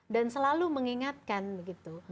dan selalu mengingatkan gitu